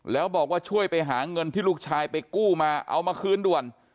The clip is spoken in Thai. แล้วบอกว่าช่วยไปหาเงินที่ลูกชายไปกู้มาเอามาคืนด่วน